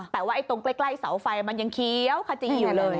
แต่ว่าตรงใกล้เสาไฟมันยังเคี้ยวขจีอยู่เลย